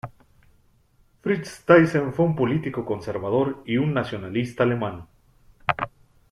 Fritz Thyssen fue un político conservador y un nacionalista alemán.